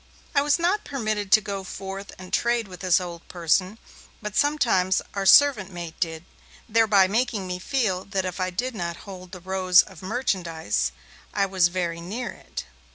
I was not permitted to go forth and trade with this old person, but sometimes our servant maid did, thereby making me feel that if I did not hold the rose of merchandise, I was very near it.